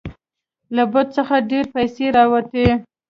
له بت څخه ډیرې پیسې راوتې.